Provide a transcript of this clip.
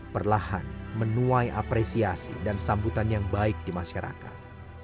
perlahan menuai apresiasi dan sambutan yang baik di masyarakat